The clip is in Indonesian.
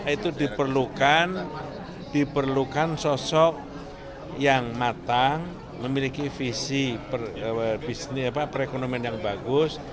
itu diperlukan sosok yang matang memiliki visi perekonomian yang bagus